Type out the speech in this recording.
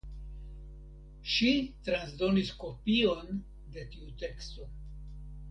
Ŝi transdonis kopion de tiu teksto.